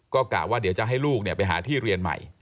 ก็กะว่าเดี๋ยวจะให้ลูกไปหาที่เรียนใหม่